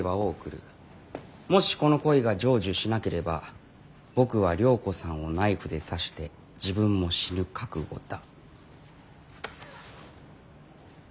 もしこの恋が成就しなければ僕は涼子さんをナイフで刺して自分も死ぬ覚悟だ」。